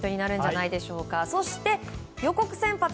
そして予告先発。